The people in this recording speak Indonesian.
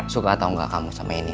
suka atau enggak kamu sama ini